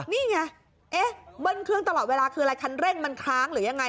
นี่ไงเอ๊ะเบิ้ลเครื่องตลอดเวลาคืออะไรคันเร่งมันค้างหรือยังไง